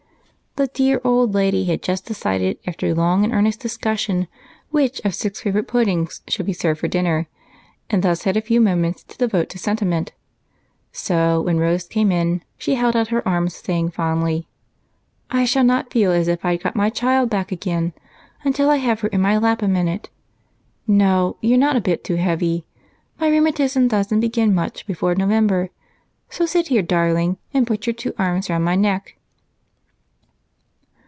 The dear old lady had just decided, after long and earnest discussion, which of six favorite puddings should be served for dinner, and thus had a few moments to devote to sentiment, so when Rose came in she held out her arms, saying fondly: "I shall not feel as if I'd got my child back again until I have her in my lap a minute. No, you're not a bit too heavy, my rheumatism doesn't begin much before November, so sit here, darling, and put your two arms round my neck."